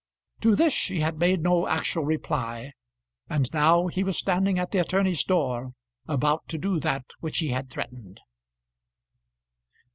To this she had made no actual reply, and now he was standing at the attorney's door about to do that which he had threatened.